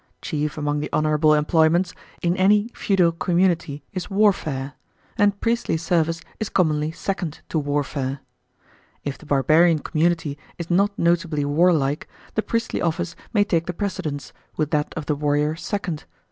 Chief among the honourable employments in any feudal community is warfare; and priestly service is commonly second to warfare. If the barbarian community is not notably warlike, the priestly office may take the precedence, with that of the warrior second.